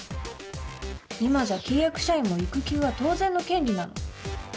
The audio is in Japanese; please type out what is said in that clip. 今じゃ契約社員も育休は当然の権利なの。